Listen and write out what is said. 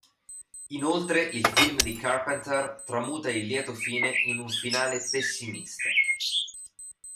Inoltre il film di Carpenter tramuta il lieto fine in un finale pessimista.